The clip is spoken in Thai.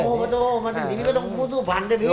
โอ้โฮพอถึงนี้ก็ต้องพูดสู้พันธุ์ด้วยพี่